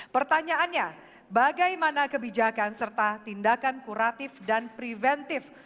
pertanyaannya bagaimana kebijakan serta tindakan kuratif dan preventif